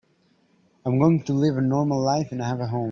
I'm going to live a normal life and have a home.